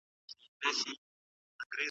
د پناه غوښتونکي امنیت باید تضمین سي.